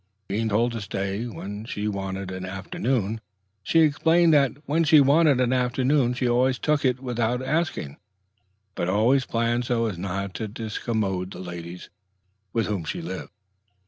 Being told to say when she wanted an afternoon, she explained that when she wanted an afternoon she always took it without asking, but always planned so as not to discommode the ladies with whom she lived.